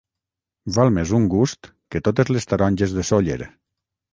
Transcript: Val més un gust que totes les taronges de Sóller.